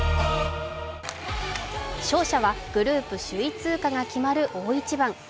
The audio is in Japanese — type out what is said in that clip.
勝者はグループ首位通過かが決まる大一番。